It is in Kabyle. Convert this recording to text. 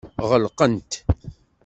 Ɣelqent.